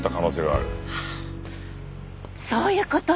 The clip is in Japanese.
あっそういう事？